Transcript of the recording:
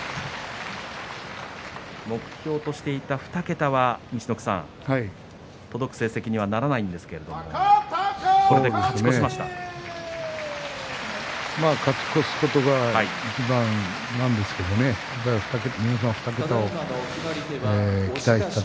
目標としていた２桁は陸奥さん、届く成績にはならないんですけれどもそれでも勝ち越しました。